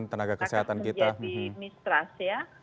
membuat mereka menjadi mistras ya